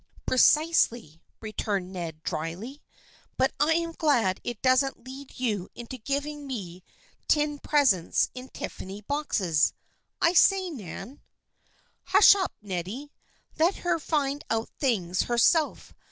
" Precisely," returned Ned, dryly. " But I'm glad it doesn't lead you into giving me tin pres ents in Tiffany boxes. I say, Nan !"" Hush up, Neddy. Let her find out things her self.